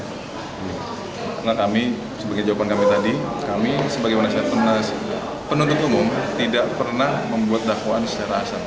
karena kami sebagai jawaban kami tadi kami sebagai penuntut umum tidak pernah membuat dakwaan secara asal